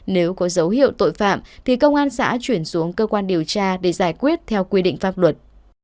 nếu có dấu hiệu tội phạm thì công an xã chuyển xuống cơ quan điều tra để giải quyết theo quy định pháp luật